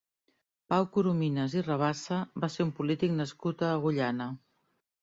Pau Corominas i Rabassa va ser un polític nascut a Agullana.